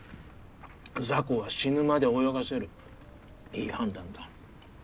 雑魚は死ぬまで泳がせるいい判断だ。